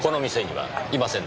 はい？